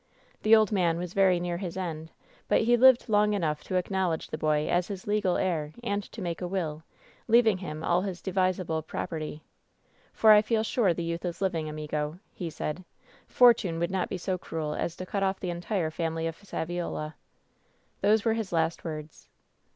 The old man was very near his end, but he lived long enough to acknowledge the boy as his legal heir, and to make a will, leaving him all his devisable property. Tor I feel sure the youth is liv ing, Amigo' he said. Tortune would not be so cruel as to cut off the entire family of Saviola/ "Those were his last words.